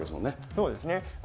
そうですね。